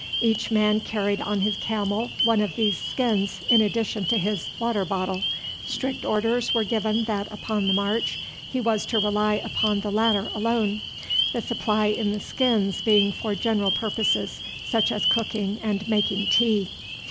Each man carried on his camel one of these skins in addition to his water bottle. Strict orders were given that upon the march he was to rely upon the latter alone; the supply in the skins being for general purposes, such as cooking and making tea.